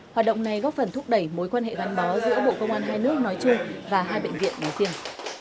hoạt động này góp phần thúc đẩy mối quan hệ gắn bó giữa bộ công an hai nước nói chung và hai bệnh viện nói riêng